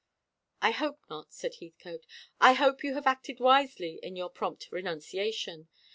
"I hope not," said Heathcote. "I hope you have acted wisely in your prompt renunciation.